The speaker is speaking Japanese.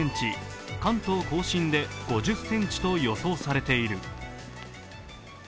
関東甲信で５０ｃｍと予想されている。